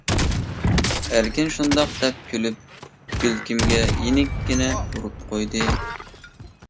-ئەركىن شۇنداق دەپ كۈلۈپ بىلىكىمگە يېنىككىنە ئۇرۇپ قويدى.